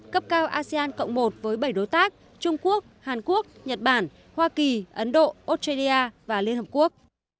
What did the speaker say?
cấp cao asean cộng một với bảy đối tác trung quốc hàn quốc nhật bản hoa kỳ ấn độ australia và liên hợp quốc